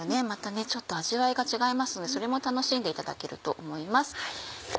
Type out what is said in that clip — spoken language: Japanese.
またちょっと味わいが違いますのでそれも楽しんでいただけると思います。